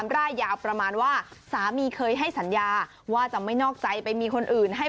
แล้วก็โพสต์ยาวมากเลยค่ะ